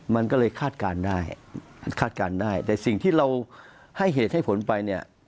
มันก็เลยคาดการณ์ได้แต่สิ่งที่เราให้เหตุให้ผลไป